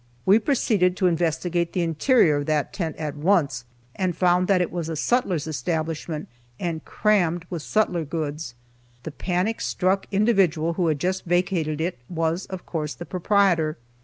We proceeded to investigate the interior of that tent at once, and found that it was a sutler's establishment, and crammed with sutler goods. The panic struck individual who had just vacated it was of course the proprietor.